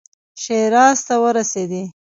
شیراز ته ورسېدی.